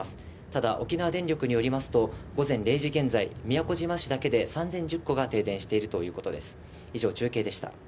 ただ、沖縄電力によりますと、午前０時現在、宮古島市だけで３０１０戸が停電しているということです。